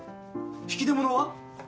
引き出物は？